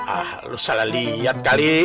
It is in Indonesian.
ah lu salah lihat kali